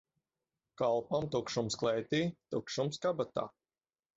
Kalpam tukšums klētī, tukšums kabatā.